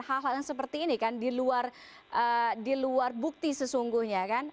hal hal yang seperti ini kan di luar bukti sesungguhnya kan